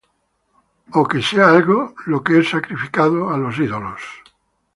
¿ó que sea algo lo que es sacrificado á los ídolos?